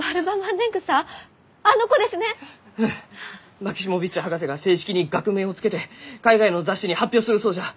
マキシモヴィッチ博士が正式に学名を付けて海外の雑誌に発表するそうじゃ！